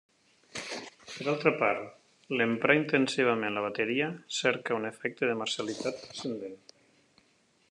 Per altra part, l'emprà intensivament la bateria, cerca un efecte de marcialitat transcendent.